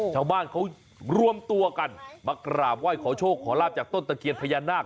ชาวบ้านเขารวมตัวกันมากราบไหว้ขอโชคขอลาบจากต้นตะเคียนพญานาค